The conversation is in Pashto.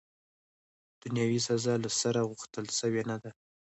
دنیاوي سزا، له سره، غوښتل سوې نه ده.